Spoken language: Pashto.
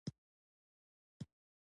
بادرنګ د بدن انرژي لوړوي.